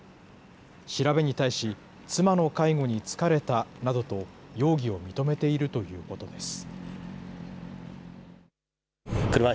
調べに対し、妻の介護に疲れたなどと容疑を認めているということです。